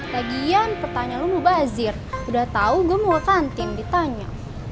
lagian pertanyaan lu mau bazir udah tau gue mau ke kantin ditanya